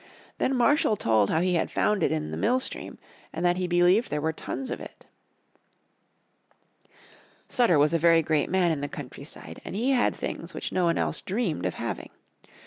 Then Marshall told how he had found it in the mill stream, and that he believed there were tons of it. Sutter was a very great man in the countryside, and he had things which no one else dreamed of having.